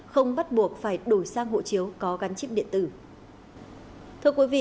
không bắt buộc phải đổi sang hộ chiếu có gắn chip điện tử